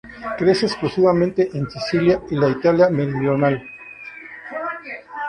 Crece exclusivamente en Sicilia y la Italia meridional.